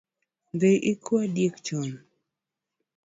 Dhi ikua diek chon